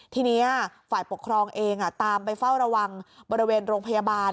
ทีนี้ฝ่ายปกครองเองตามไปเฝ้าระวังบริเวณโรงพยาบาล